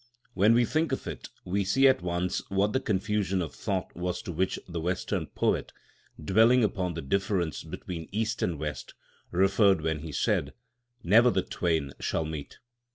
When we think of it, we see at once what the confusion of thought was to which the Western poet, dwelling upon the difference between East and West, referred when he said, "Never the twain shall meet."